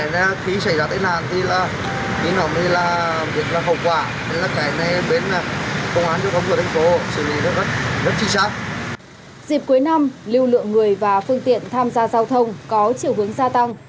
dịp cuối năm lưu lượng người và phương tiện tham gia giao thông có chiều hướng gia tăng